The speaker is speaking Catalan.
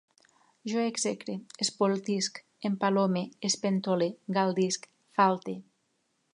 Jo execre, espoltisc, empalome, espentole, galdisc, falte